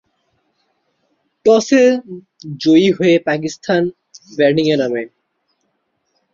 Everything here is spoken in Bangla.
টসে জয়ী হয়ে পাকিস্তান ব্যাটিংয়ে নামে।